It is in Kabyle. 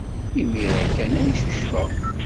Imir-a kan ay ccucfeɣ.